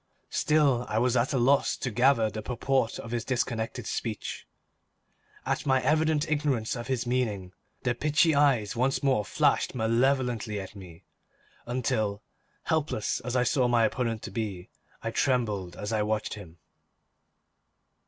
Still I was at a loss to gather the purport of his disconnected speech. At my evident ignorance of his meaning, the pitchy eyes once more flashed malevolently at me, until, helpless as I saw my opponent to be, I trembled as I watched him.